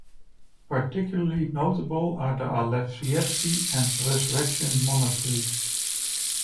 Particularly notable are the Alexeievsky and Resurrection monasteries.